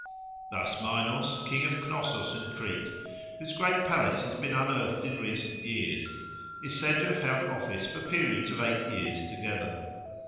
Thus Minos, king of Cnossus in Crete, whose great palace has been unearthed in recent years, is said to have held office for periods of eight years together.